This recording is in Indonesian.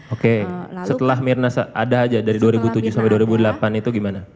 oke setelah mirna ada aja dari dua ribu tujuh sampai dua ribu delapan itu gimana